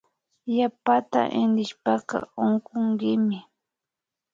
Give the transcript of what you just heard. Yapata intiyashpaka unkunkimi